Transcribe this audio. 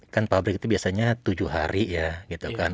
kan pabrik itu biasanya tujuh hari ya gitu kan